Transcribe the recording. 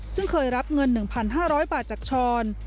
ซึ่งเคยรับเงิน๑๕๐๐บาทจากช้อน